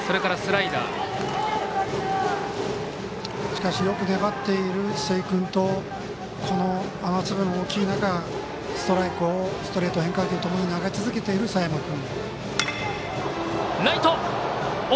しかし、よく粘っている瀬井君とこの雨粒の大きい中ストライクをストレート、変化球ともに投げ続けている、佐山君。